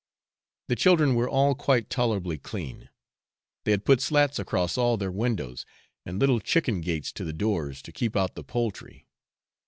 The children were all quite tolerably clean; they had put slats across all their windows, and little chicken gates to the doors to keep out the poultry.